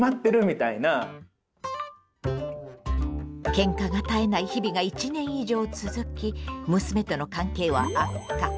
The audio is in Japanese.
ケンカが絶えない日々が１年以上続き娘との関係は悪化。